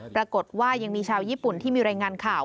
ปรากฏว่ายังมีชาวญี่ปุ่นที่มีรายงานข่าว